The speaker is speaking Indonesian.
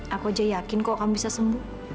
aku aja yakin kok kamu bisa sembuh